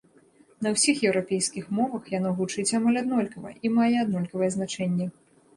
На ўсіх еўрапейскіх мовах яно гучыць амаль аднолькава і мае аднолькавае значэнне.